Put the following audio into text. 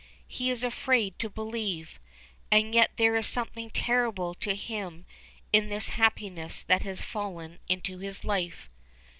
He is afraid to believe. As yet there is something terrible to him in this happiness that has fallen into his life.